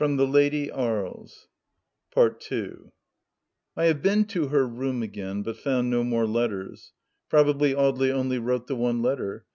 THE LAST DITCH 71 I have been to her room again, but found no more letters. Probably Audely only wrote the one letter.